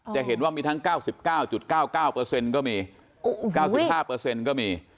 จะเห็นว่ามีทั้ง๙๙๙๙เปอร์เซ็นต์ก็มี๙๕เปอร์เซ็นต์ก็มี